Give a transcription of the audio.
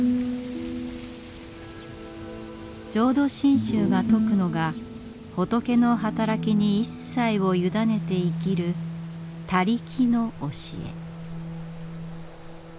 浄土真宗が説くのが仏のはたらきに一切をゆだねて生きる「他力」の教え。